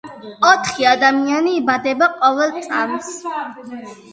ოთხი ადამიანი იბადება ყოველ წამს